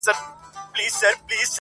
چا خندله چا به ټوکي جوړولې.!